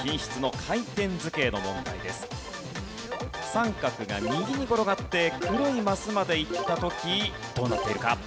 三角が右に転がって黒いマスまで行った時どうなっているか？